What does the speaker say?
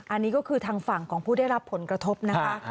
อันนี้ก็คือทางฝั่งของผู้ได้รับผลกระทบนะคะ